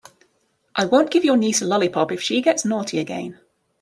I won't give your niece a lollipop if she gets naughty again.